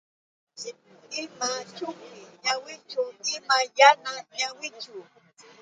Ima chumpi ñawichu, ima yana ñawichu.